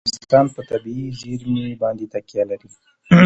افغانستان په طبیعي زیرمې باندې تکیه لري.